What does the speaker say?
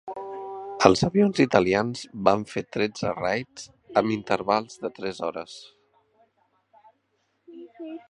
Els avions italians van fer tretze raids, amb intervals de tres hores.